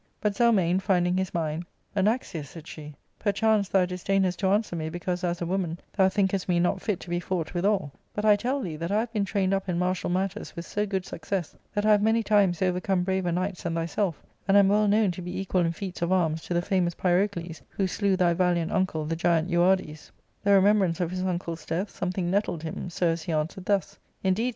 But Zel mane finding his mind, "Anaxius," said she, "perchance thou disdainest to answer me, because, as a woman, thou thinkest me not fit to be fought withal ; but I tell thee that I have been trained up in martial matters with so good success that I have many times overcome braver knights than thyself, and am well known to be equal in feats of arms to the famous Pyrocles, who slew thy valiant uncle, the giant Euardes."